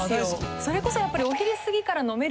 それこそやっぱり。